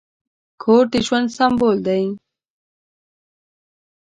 کور د ژوند سمبول دی.